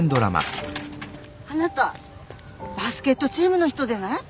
あなたバスケットチームの人でない？